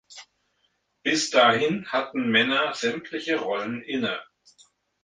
Bis dahin hatten Männer sämtliche Rollen inne.